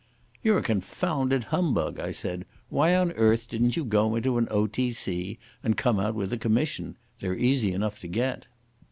"You're a confounded humbug," I said. "Why on earth didn't you go into an O.T.C. and come out with a commission? They're easy enough to get."